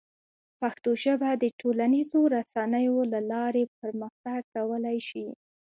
پښتو ژبه د ټولنیزو رسنیو له لارې پرمختګ کولی شي.